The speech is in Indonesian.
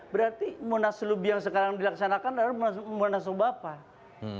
berarti munaslub yang sekarang dilaksanakan adalah munaslup bapak